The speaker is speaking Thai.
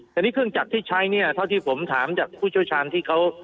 แต่นี่เครื่องจักรที่ใช้เนี่ยเท่าที่ผมถามจากผู้เชี่ยวชาญที่เขา